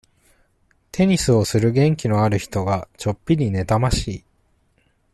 テニスをする元気のある人が、ちょっぴり妬ましい。